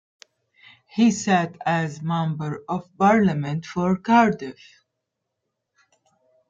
He sat as Member of Parliament for Cardiff.